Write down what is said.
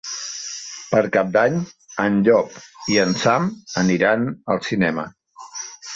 Per Cap d'Any en Llop i en Sam aniran al cinema.